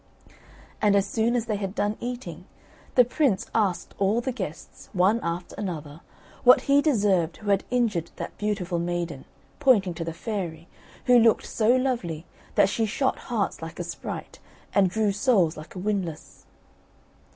And as soon as they had done eating, the Prince asked all the guests, one after another, what he deserved who had injured that beautiful maiden pointing to the fairy, who looked so lovely that she shot hearts like a sprite and drew souls like a windlass.